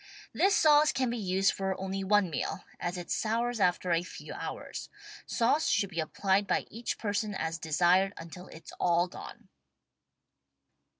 This sauce can be used for only one meal, as it sours after a few hours. Sauce should be applied by each person as desired until it's all gone.